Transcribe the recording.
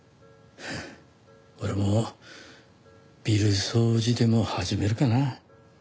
俺もビル掃除でも始めるかな。